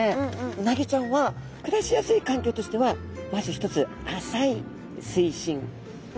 うなぎちゃんは暮らしやすい環境としてはまず一つ浅い水深。